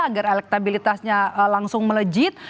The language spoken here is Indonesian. agar elektabilitasnya langsung melejit